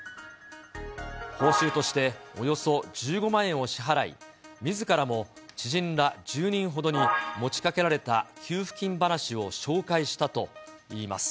報酬としておよそ１５万円を支払い、みずからも知人ら１０人ほどに、持ちかけられた給付金話を紹介したといいます。